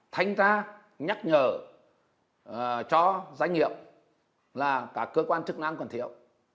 thanh tra nhắc nhở cho doanh nghiệp là các cơ quan chức năng còn thiếu